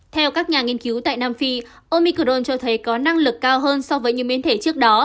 theo các nhà nghiên cứu tại nam phi omicron cho thấy có năng lực cao hơn so với những biến thể trước đó